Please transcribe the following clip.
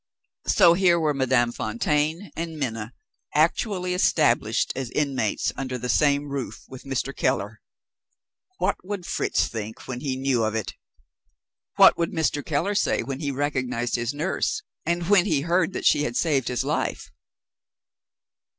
So here were Madame Fontaine and Minna actually established as inmates under the same roof with Mr. Keller! What would Fritz think, when he knew of it? What would Mr. Keller say when he recognized his nurse, and when he heard that she had saved his life?